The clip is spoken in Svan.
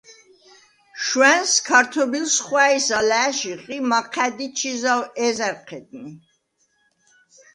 შუ̂ა̈ნს ქართობილს ხუ̂ა̈ჲს ალა̄̈შიხ ი მაჴა̈დი ჩი ზაუ̂ ეზერ ჴედნი.